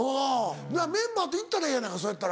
メンバーと行ったらええやないかそれやったら。